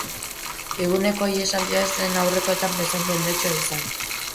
Eguneko ihesaldia ez zen aurrekoetan bezain jendetsua izan.